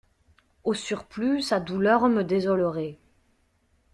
Au surplus, sa douleur me désolerait.